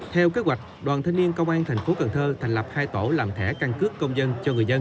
theo kế hoạch đoàn thanh niên công an thành phố cần thơ thành lập hai tổ làm thẻ căn cước công dân cho người dân